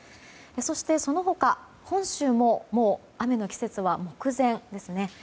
そして、その他本州も、もう雨の季節は目前ですね。